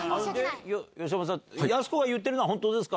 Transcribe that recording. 吉山さん、やす子が言ってるのは本当ですか？